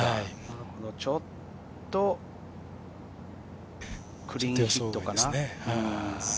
ちょっとクリーンヒットかな？